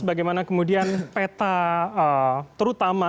bagaimana kemudian peta terutama